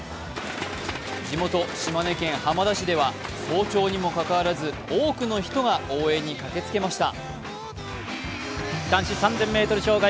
地元・島根県浜田市では早朝にもかかわらず、多くの人が応援に駆けつけました。